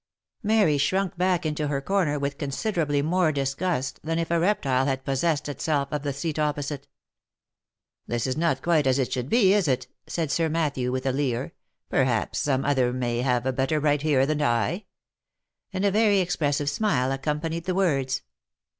Mary shrunk back into her corner with considerably more disgust than if a reptile had possessed itself of the seat opposite. "This is not quite as it should be, is it?" said Sir Matthew, with a leer. " Perhaps some other may have a better right here than I V 1 And a very expressive smile accompanied the words.